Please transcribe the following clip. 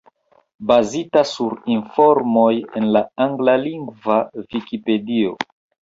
Bazita sur informoj en la anglalingva Vikipedio.